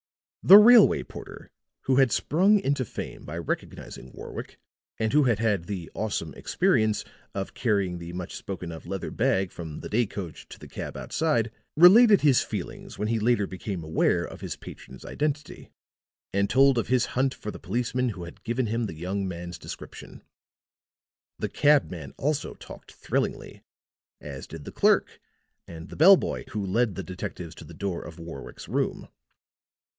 The railway porter, who had sprung into fame by recognizing Warwick and who had had the awesome experience of carrying the much spoken of leather bag from the day coach to the cab outside, related his feelings when he later became aware of his patron's identity, and told of his hunt for the policemen who had given him the young man's description. The cabman also talked thrillingly, as did the clerk and the bell boy who led the detectives to the door of Warwick's room.